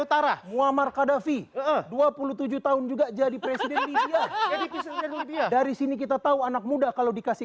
utara muammar qadhafi dua puluh tujuh tahun juga jadi presiden dari sini kita tahu anak muda kalau dikasih